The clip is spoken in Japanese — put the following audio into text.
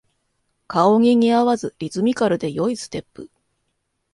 顔に似合わずリズミカルで良いステップ